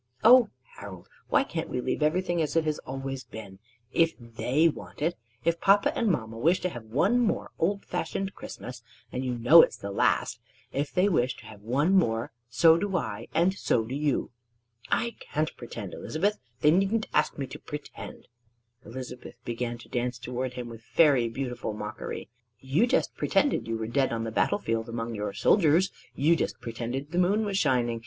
"Oh, Harold, why can't we leave everything as it has always been, if they want it! If papa and mamma wish to have one more old fashioned Christmas, and you know it's the last, if they wish to have one more, so do I and so do you!" "I can't pretend, Elizabeth: they needn't ask me to pretend." Elizabeth began to dance toward him with fairy beautiful mockery: "You just pretended you were dead on the battle field, among your soldiers: you just pretended the moon was shining.